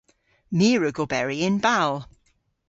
My a wrug oberi yn bal.